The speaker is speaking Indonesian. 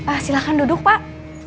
ah silakan duduk pak